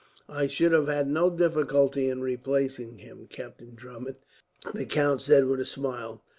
"I should have had no difficulty in replacing him, Captain Drummond," the count said with a smile.